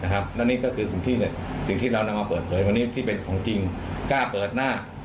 และนี่ก็คือสิ่งที่เรานำมาเปิดเผยวันนี้ที่เป็นของจริงกล้าเปิดหน้า